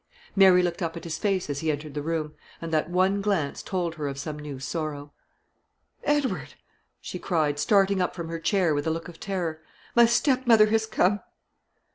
Mary looked up at his face as he entered the room, and that one glance told her of some new sorrow. "Edward," she cried, starting up from her chair with a look of terror, "my stepmother has come."